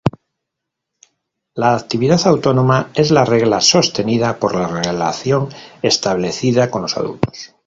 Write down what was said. La actividad autónoma es la regla, sostenida por la relación establecida con los adultos.